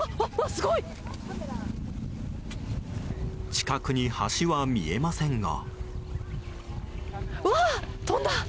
近くに橋は見えませんが。